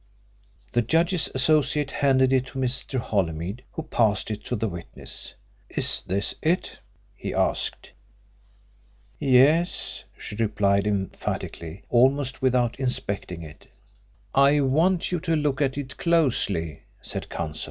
The judge's Associate handed it to Mr. Holymead, who passed it to the witness. "Is this it?" he asked. "Yes," she replied emphatically, almost without inspecting it. "I want you to look at it closely," said Counsel.